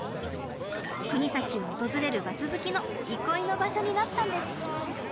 国東を訪れるバス好きの憩いの場所になったんです。